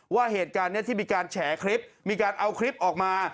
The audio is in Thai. ว่าเหตุการณ์นี้ที่มีการแฉคลิปมีการเอาคลิปออกมา